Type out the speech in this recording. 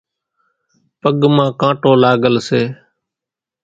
پڳ مان ڪانٽو لاڳل سي۔